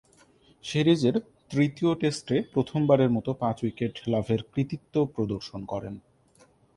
সিরিজের তৃতীয় টেস্টে প্রথমবারের মতো পাঁচ উইকেট লাভের কৃতিত্ব প্রদর্শন করেন।